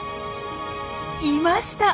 いました！